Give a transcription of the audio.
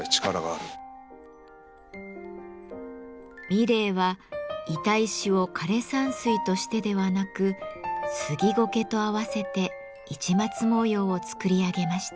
三玲は板石を枯れ山水としてではなく杉苔と合わせて市松模様を作り上げました。